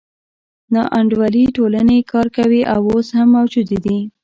ناانډولې ټولنې کار کوي او اوس هم موجودې دي.